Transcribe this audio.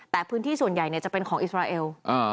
แต่พื้นที่ส่วนใหญ่จะเป็นของอิสราเอล